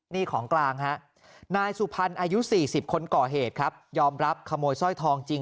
นี่ของกลางฮะนายสุพรรณอายุ๔๐คนก่อเหตุครับยอมรับขโมยสร้อยทองจริง